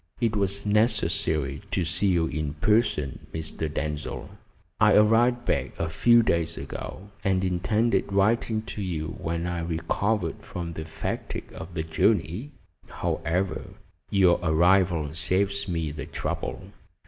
"It was necessary to see you personally, Mr. Denzil. I arrived back a few days ago, and intended writing to you when I recovered from the fatigue of the journey. However, your arrival saves me the trouble.